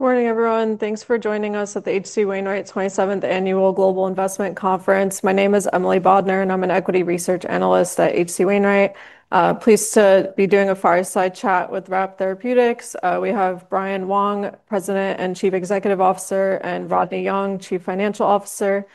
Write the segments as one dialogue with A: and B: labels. A: Good morning, everyone. Thanks for joining us at the HC Wainwright 27th Annual Global Investment Conference. My name is Emily Bodner, and I'm an Equity Research Analyst at HC Wainwright. I'm pleased to be doing a fireside chat with RAPT Therapeutics. We have Brian Wong, President and Chief Executive Officer, and Rodney Young, Chief Financial Officer.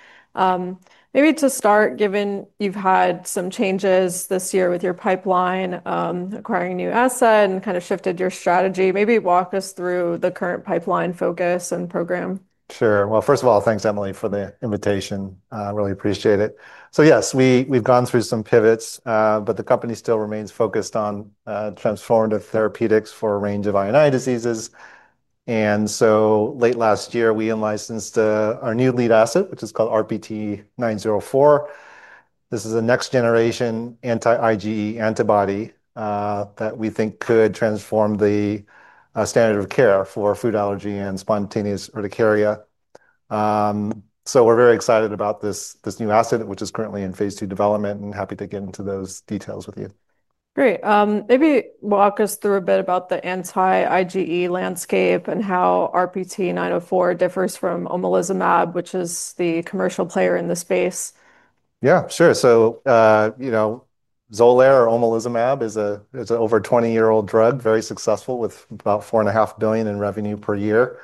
A: Maybe to start, given you've had some changes this year with your pipeline, acquiring new assets and kind of shifted your strategy, maybe walk us through the current pipeline focus and program.
B: Sure. First of all, thanks, Emily, for the invitation. I really appreciate it. Yes, we've gone through some pivots, but the company still remains focused on transformative therapeutics for a range of INI diseases. Late last year, we licensed our new lead asset, which is called RPT-904. This is a next-generation anti-IgE antibody that we think could transform the standard of care for food allergy and spontaneous urticaria. We're very excited about this new asset, which is currently in phase 2 development, and happy to get into those details with you.
A: Great. Maybe walk us through a bit about the anti-IgE landscape and how RPT-904 differs from Omalizumab, which is the commercial player in this space.
B: Yeah, sure. You know, Omalizumab (Xolair) is an over 20-year-old drug, very successful with about $4.5 billion in revenue per year.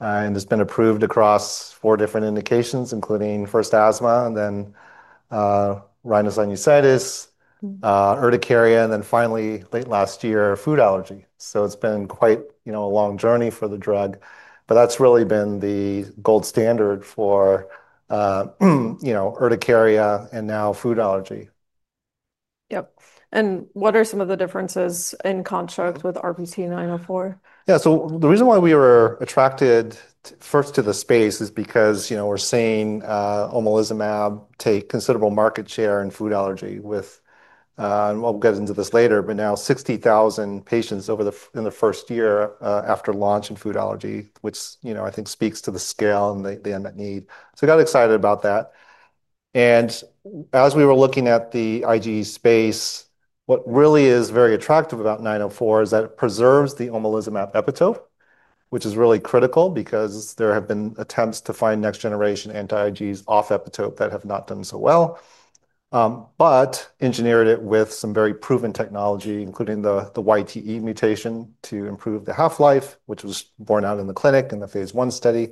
B: It's been approved across four different indications, including first asthma, then rhinosinusitis, urticaria, and finally, late last year, food allergy. It's been quite a long journey for the drug. That's really been the gold standard for urticaria, and now food allergy.
A: Yes. What are some of the differences in construct with RPT-904?
B: Yeah, so the reason why we were attracted first to the space is because, you know, we're seeing Omalizumab (Xolair) take considerable market share in food allergy, and we'll get into this later, but now 60,000 patients in the first year after launch in food allergy, which, you know, I think speaks to the scale and the unmet need. I got excited about that. As we were looking at the IgE space, what really is very attractive about RPT-904 is that it preserves the Omalizumab epitope, which is really critical because there have been attempts to find next-generation anti-IgE antibodies off epitope that have not done so well. It was engineered with some very proven technology, including the YTE mutation to improve the half-life, which was borne out in the clinic in the phase 1 study.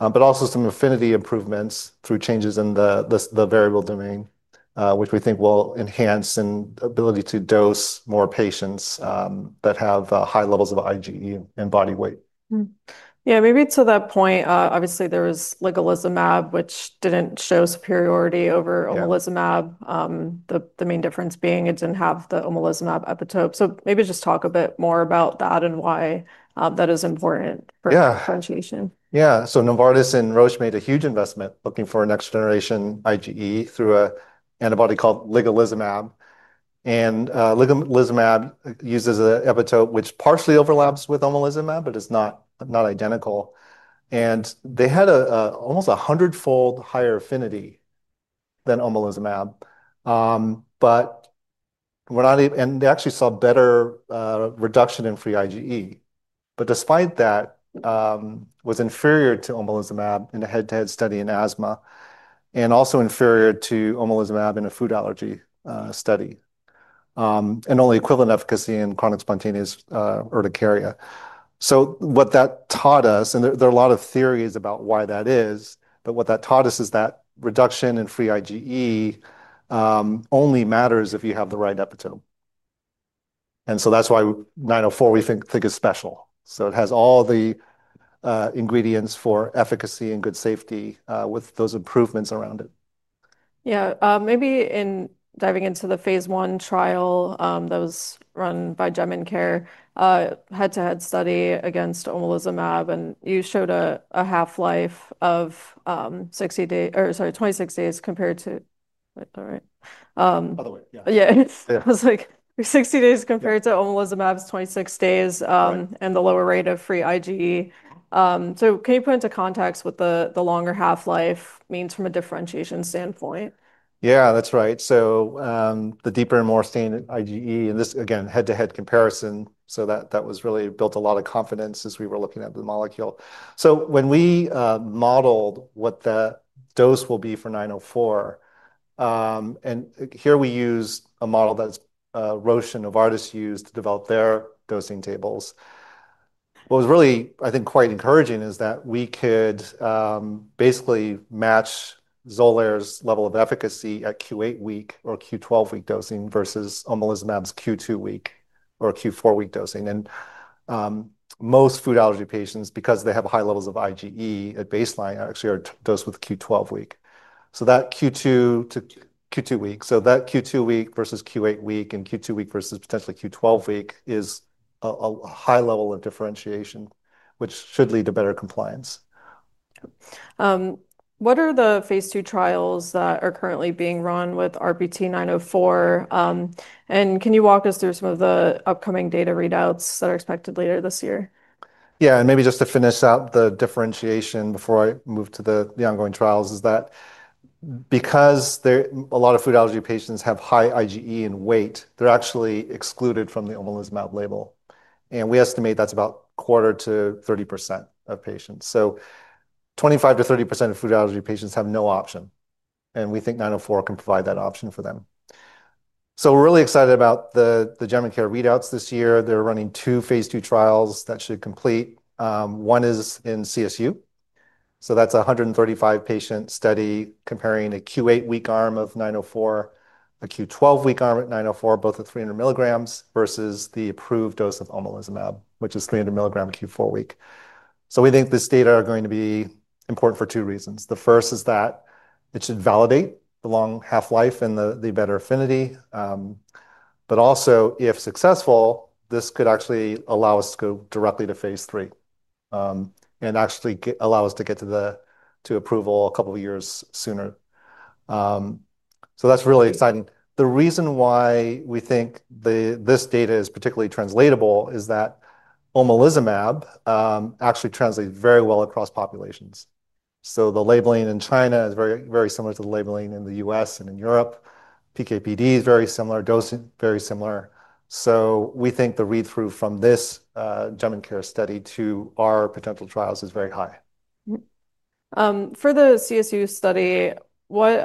B: There were also some affinity improvements through changes in the variable domain, which we think will enhance the ability to dose more patients that have high levels of IgE and body weight.
A: Yeah, maybe to that point, obviously there was Ligalizumab, which didn't show superiority over Omalizumab (Xolair), the main difference being it didn't have the Omalizumab epitope. Maybe just talk a bit more about that and why that is important for differentiation.
B: Yeah, so Novartis and Roche made a huge investment looking for a next-generation IgE through an antibody called Ligalizumab. Ligalizumab uses an epitope which partially overlaps with Omalizumab, but it's not identical. They had almost a hundred-fold higher affinity than Omalizumab, and they actually saw better reduction in free IgE. Despite that, it was inferior to Omalizumab in a head-to-head study in asthma, and also inferior to Omalizumab in a food allergy study, and only equivalent efficacy in chronic spontaneous urticaria. What that taught us, and there are a lot of theories about why that is, what that taught us is that reduction in free IgE only matters if you have the right epitope. That's why 904, we think, is special. It has all the ingredients for efficacy and good safety, with those improvements around it.
A: Maybe in diving into the phase 1 trial that was run by GeminCare, head-to-head study against Omalizumab (Xolair), you showed a half-life of 60 days, or sorry, 26 days compared to, all right.
B: By the way, yeah.
A: Yeah, it's like 60 days compared to Omalizumab's 26 days, and the lower rate of free IgE. Can you put into context what the longer half-life means from a differentiation standpoint?
B: Yeah, that's right. The deeper and more sustained IgE, and this again, head-to-head comparison, that was really built a lot of confidence as we were looking at the molecule. When we modeled what the dose will be for RPT-904, we used a model that Roche and Novartis used to develop their dosing tables. What was really, I think, quite encouraging is that we could basically match Xolair's level of efficacy at Q8 week or Q12 week dosing versus Omalizumab's Q2 week or Q4 week dosing. Most food allergy patients, because they have high levels of IgE at baseline, actually are dosed with Q12 week. That Q2 week versus Q8 week and Q2 week versus potentially Q12 week is a high level of differentiation, which should lead to better compliance.
A: What are the phase 2 trials that are currently being run with RPT-904? Can you walk us through some of the upcoming data readouts that are expected later this year?
B: Yeah, and maybe just to finish out the differentiation before I move to the ongoing trials is that because a lot of food allergy patients have high IgE in weight, they're actually excluded from the Omalizumab label. We estimate that's about a quarter to 30% of patients. So 25% to 30% of food allergy patients have no option. We think 904 can provide that option for them. We're really excited about the GeminCare readouts this year. They're running two phase 2 trials that should complete. One is in CSU. That's a 135-patient study comparing a Q8 week arm of 904, a Q12 week arm of 904, both at 300 milligrams, versus the approved dose of Omalizumab, which is 300 milligrams Q4 week. We think this data is going to be important for two reasons. The first is that it should validate the long half-life and the better affinity, but also, if successful, this could actually allow us to go directly to phase 3 and actually allow us to get to the approval a couple of years sooner. That's really exciting. The reason why we think this data is particularly translatable is that Omalizumab actually translates very well across populations. The labeling in China is very, very similar to the labeling in the U.S. and in Europe. PKPD is very similar, dosing is very similar. We think the read-through from this GeminCare study to our potential trials is very high.
A: For the CSU study, what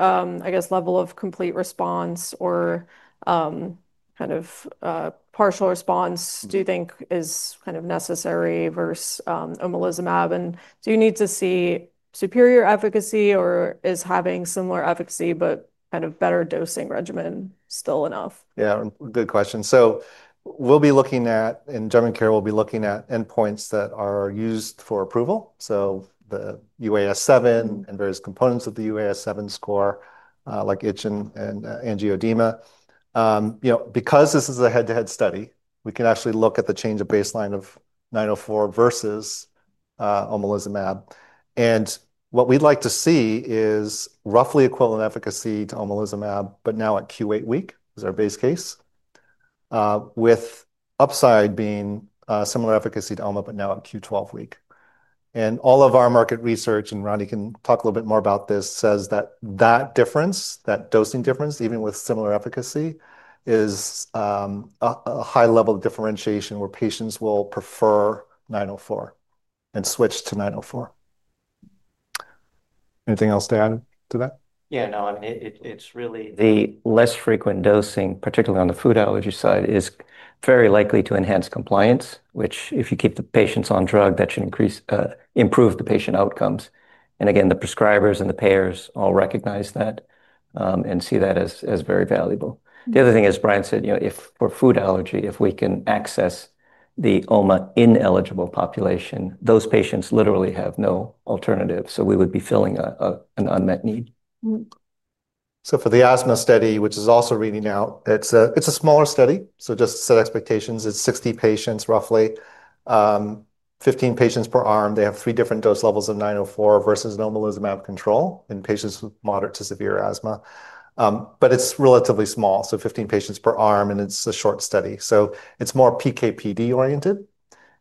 A: level of complete response or partial response do you think is necessary versus Omalizumab? Do you need to see superior efficacy, or is having similar efficacy but a better dosing regimen still enough?
B: Yeah, good question. We'll be looking at, in GeminCare, endpoints that are used for approval, so the UAS7 and various components of the UAS7 score, like itch and angioedema. Because this is a head-to-head study, we can actually look at the change of baseline of 904 versus Omalizumab. What we'd like to see is roughly equivalent efficacy to Omalizumab, but now at Q8 week is our base case, with upside being similar efficacy to Oma, but now at Q12 week. All of our market research, and Rodney can talk a little bit more about this, says that that difference, that dosing difference, even with similar efficacy, is a high level of differentiation where patients will prefer 904 and switch to 904. Anything else to add to that?
C: It's really the less frequent dosing, particularly on the food allergy side, is very likely to enhance compliance, which if you keep the patients on drug, that should increase, improve the patient outcomes. The prescribers and the payers all recognize that, and see that as very valuable. The other thing is, as Brian said, for food allergy, if we can access the Omalizumab ineligible population, those patients literally have no alternative. We would be filling an unmet need.
B: For the asthma study, which is also reading out, it's a smaller study. Just to set expectations, it's 60 patients roughly, 15 patients per arm. They have three different dose levels of RPT-904 versus an Omalizumab (Xolair) control in patients with moderate to severe asthma. It's relatively small, so 15 patients per arm, and it's a short study. It's more PKPD oriented.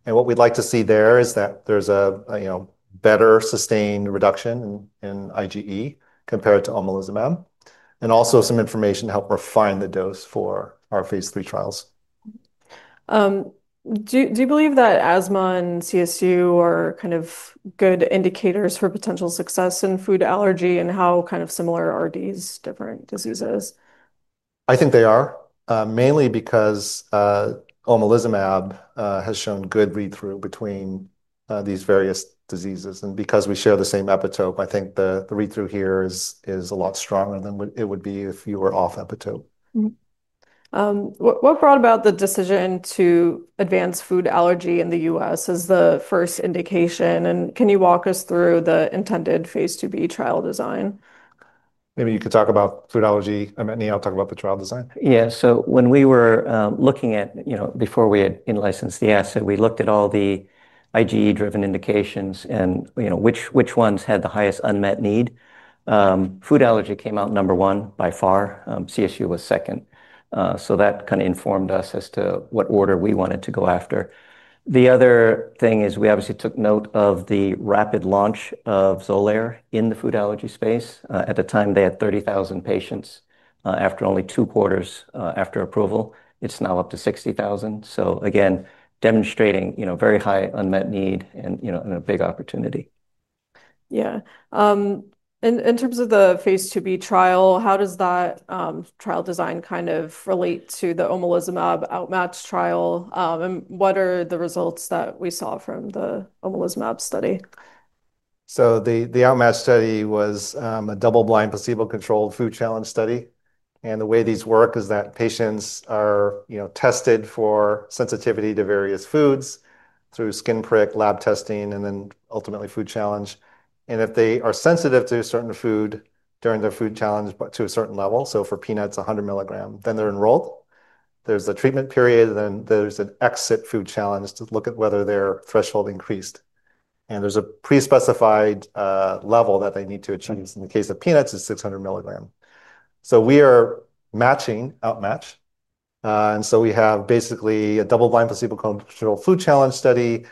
B: What we'd like to see there is that there's a better sustained reduction in IgE compared to Omalizumab (Xolair), and also some information to help refine the dose for our phase 3 trials.
A: Do you believe that asthma and CSU are kind of good indicators for potential success in food allergy, and how kind of similar are these different diseases?
B: I think they are, mainly because Omalizumab (Xolair) has shown good read-through between these various diseases. Because we share the same epitope, I think the read-through here is a lot stronger than it would be if you were off epitope.
A: What brought about the decision to advance food allergy in the U.S. as the first indication? Can you walk us through the intended phase 2b trial design?
B: Maybe you could talk about food allergy, and then I'll talk about the trial design.
C: Yeah, so when we were looking at, you know, before we had licensed the asset, we looked at all the IgE-driven indications and, you know, which ones had the highest unmet need. Food allergy came out number one by far. CSU was second. That kind of informed us as to what order we wanted to go after. The other thing is we obviously took note of the rapid launch of Xolair in the food allergy space. At the time, they had 30,000 patients. After only two quarters after approval, it's now up to 60,000. Again, demonstrating, you know, very high unmet need and, you know, a big opportunity.
A: Yeah. In terms of the phase 2b trial, how does that trial design kind of relate to the Omalizumab outmatched trial? What are the results that we saw from the Omalizumab study?
B: The outmatch study was a double-blind, placebo-controlled food challenge study. The way these work is that patients are tested for sensitivity to various foods through skin prick lab testing and then ultimately food challenge. If they are sensitive to a certain food during their food challenge to a certain level, for peanuts, 100 milligrams, then they're enrolled. There's a treatment period and then there's an exit food challenge to look at whether their threshold increased. There's a pre-specified level that they need to achieve. In the case of peanuts, it's 600 milligrams. We are matching outmatch. We have basically a double-blind, placebo-controlled food challenge study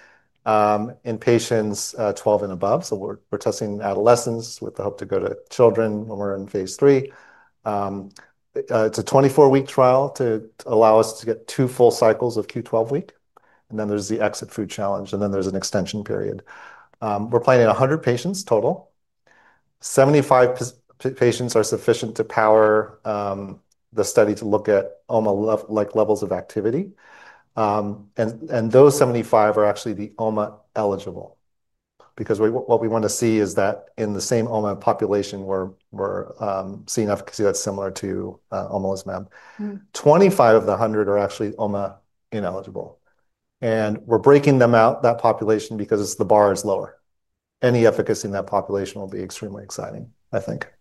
B: in patients 12 and above. We're testing adolescents with the hope to go to children when we're in phase 3. It's a 24-week trial to allow us to get two full cycles of Q12 week. There's the exit food challenge and then there's an extension period. We're planning 100 patients total. 75 patients are sufficient to power the study to look at OMA-like levels of activity. Those 75 are actually the OMA eligible, because what we want to see is that in the same OMA population, we're seeing efficacy that's similar to Omalizumab (Xolair). 25 of the 100 are actually OMA ineligible. We're breaking them out, that population, because the bar is lower. Any efficacy in that population will be extremely exciting, I think.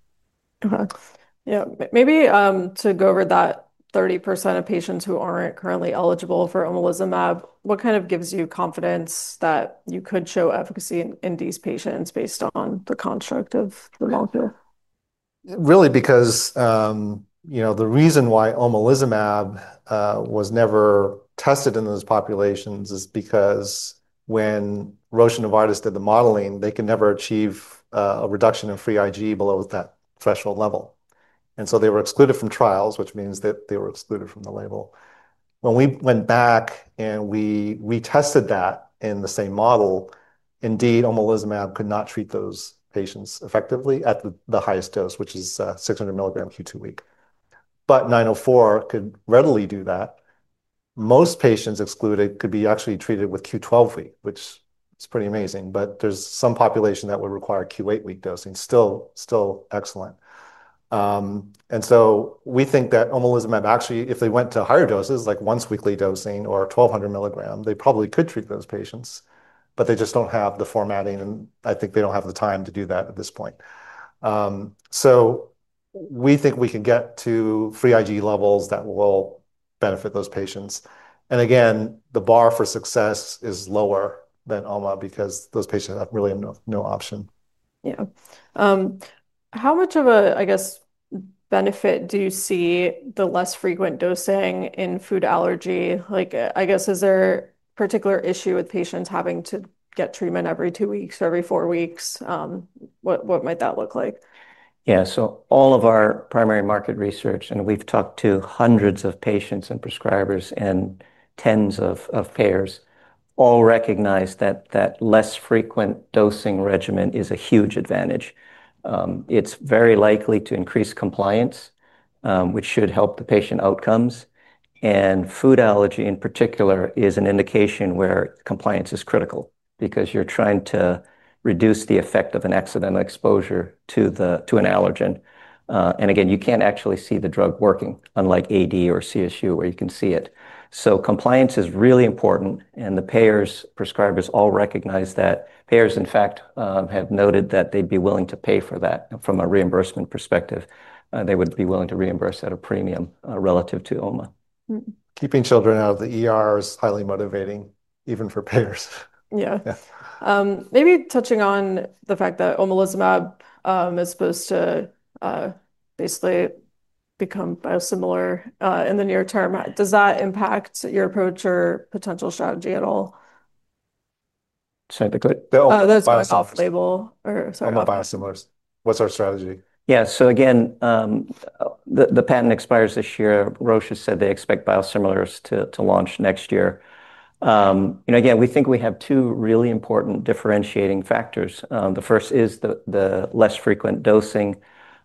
A: Maybe to go over that 30% of patients who aren't currently eligible for Omalizumab (Xolair), what kind of gives you confidence that you could show efficacy in these patients based on the construct of the molecule?
B: Really, because, you know, the reason why Omalizumab was never tested in those populations is because when Roche and Novartis did the modeling, they could never achieve a reduction in free IgE below that threshold level. They were excluded from trials, which means that they were excluded from the label. When we went back and we tested that in the same model, indeed, Omalizumab could not treat those patients effectively at the highest dose, which is 600 milligrams Q2 week. RPT-904 could readily do that. Most patients excluded could be actually treated with Q12 week, which is pretty amazing. There is some population that would require Q8 week dosing, still excellent. We think that Omalizumab actually, if they went to higher doses, like once weekly dosing or 1,200 milligrams, they probably could treat those patients. They just don't have the formatting, and I think they don't have the time to do that at this point. We think we can get to free IgE levels that will benefit those patients. Again, the bar for success is lower than Omalizumab because those patients have really no option.
A: How much of a benefit do you see the less frequent dosing in food allergy? Is there a particular issue with patients having to get treatment every two weeks or every four weeks? What might that look like?
C: Yeah, so all of our primary market research, and we've talked to hundreds of patients and prescribers and tens of payers, all recognize that that less frequent dosing regimen is a huge advantage. It's very likely to increase compliance, which should help the patient outcomes. Food allergy in particular is an indication where compliance is critical because you're trying to reduce the effect of an accidental exposure to an allergen. You can't actually see the drug working unlike AD or chronic spontaneous urticaria (CSU) where you can see it. Compliance is really important, and the payers, prescribers all recognize that. Payers, in fact, have noted that they'd be willing to pay for that from a reimbursement perspective. They would be willing to reimburse at a premium relative to Omalizumab (Xolair).
B: Keeping children out of the hospital is highly motivating, even for payers.
A: Maybe touching on the fact that Omalizumab (Xolair) is supposed to basically become biosimilar in the near term, does that impact your approach or potential strategy at all?
B: Say it quickly.
A: Oh, that's my off-label.
B: Omalizumab biosimilars. What's our strategy?
C: Yeah, so again, the patent expires this year. Roche has said they expect biosimilars to launch next year. We think we have two really important differentiating factors. The first is the less frequent dosing,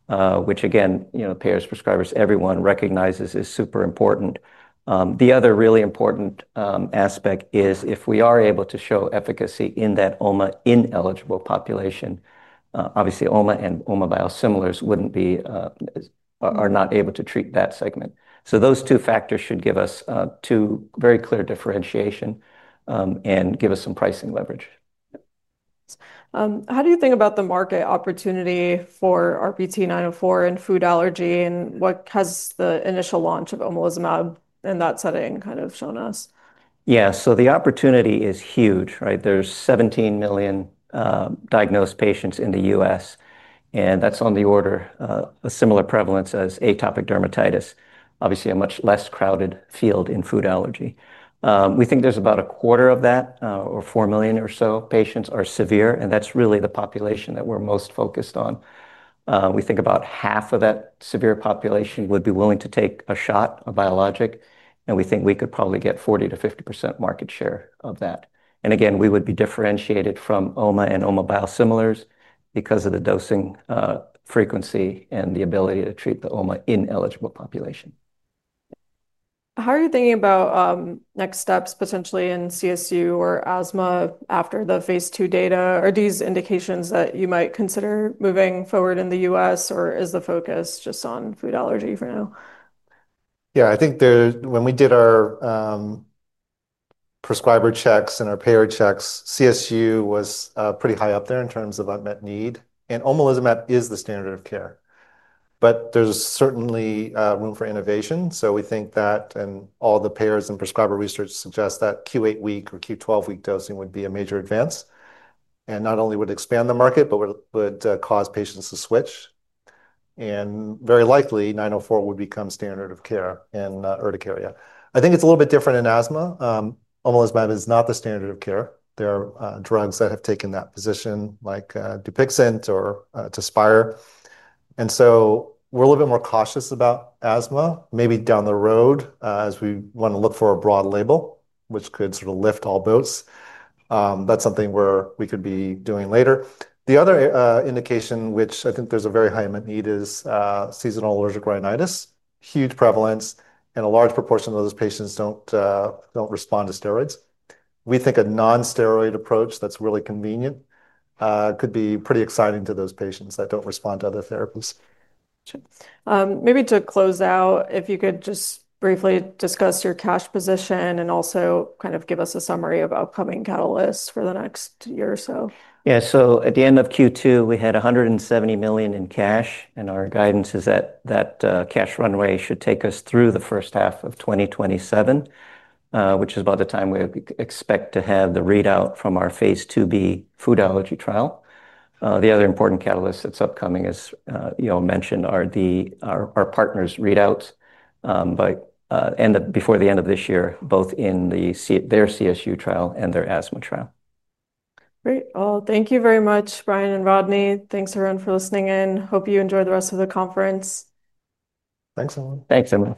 C: which, you know, payers, prescribers, everyone recognizes is super important. The other really important aspect is if we are able to show efficacy in that Omalizumab ineligible population. Obviously, Omalizumab and Omalizumab biosimilars wouldn't be, are not able to treat that segment. Those two factors should give us two very clear differentiations and give us some pricing leverage.
A: How do you think about the market opportunity for RPT-904 in food allergy? What has the initial launch of Omalizumab (Xolair) in that setting kind of shown us?
C: Yeah, so the opportunity is huge, right? There's 17 million diagnosed patients in the U.S., and that's on the order of a similar prevalence as atopic dermatitis. Obviously, a much less crowded field in food allergy. We think there's about a quarter of that, or 4 million or so patients, are severe, and that's really the population that we're most focused on. We think about half of that severe population would be willing to take a shot, a biologic, and we think we could probably get 40 to 50% market share of that. We would be differentiated from Omalizumab (Xolair) and Omalizumab biosimilars because of the dosing frequency and the ability to treat the Omalizumab ineligible population.
A: How are you thinking about next steps potentially in CSU or asthma after the phase 2 data? Are these indications that you might consider moving forward in the U.S., or is the focus just on food allergy for now?
B: Yeah, I think when we did our prescriber checks and our payer checks, CSU was pretty high up there in terms of unmet need. Omalizumab (Xolair) is the standard of care, but there's certainly room for innovation. We think that, and all the payers and prescriber research suggests that Q8 week or Q12 week dosing would be a major advance. Not only would it expand the market, it would cause patients to switch. Very likely, RPT-904 would become standard of care in urticaria. I think it's a little bit different in asthma. Omalizumab (Xolair) is not the standard of care. There are drugs that have taken that position, like Dupixent or Tespire. We're a little bit more cautious about asthma, maybe down the road, as we want to look for a broad label, which could sort of lift all boats. That's something we could be doing later. The other indication, which I think there's a very high unmet need, is seasonal allergic rhinitis. Huge prevalence, and a large proportion of those patients don't respond to steroids. We think a non-steroid approach that's really convenient could be pretty exciting to those patients that don't respond to other therapies.
A: Maybe to close out, if you could just briefly discuss your cash position and also kind of give us a summary of upcoming catalysts for the next year or so.
C: Yeah, at the end of Q2, we had $170 million in cash, and our guidance is that that cash runway should take us through the first half of 2027, which is about the time we expect to have the readout from our phase 2b food allergy trial. The other important catalyst that's upcoming, as you all mentioned, are our partners' readouts before the end of this year, both in their CSU trial and their asthma trial.
A: Great. Thank you very much, Brian and Rodney. Thanks, everyone, for listening in. Hope you enjoy the rest of the conference.
B: Thanks, everyone.
C: Thanks, everyone.